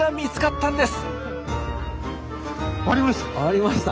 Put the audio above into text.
ありました。